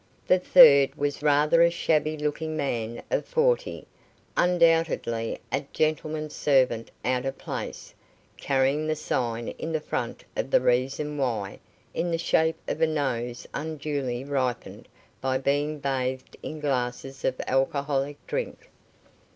The third was rather a shabby looking man of forty, undoubtedly a gentleman's servant out of place, carrying the sign in the front of the reason why, in the shape of a nose unduly ripened by being bathed in glasses of alcoholic drink.